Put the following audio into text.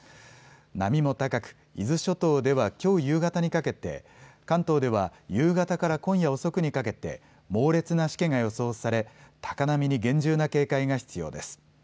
波も高く伊豆諸島ではきょう夕方にかけて、関東では夕方から今夜遅くにかけて猛烈なしけが予想され高波に厳重な警戒が必要です。